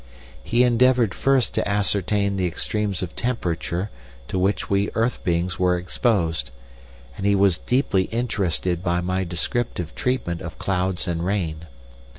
He endeavoured first to ascertain the extremes of temperature to which we earth beings were exposed, and he was deeply interested by my descriptive treatment of clouds and rain.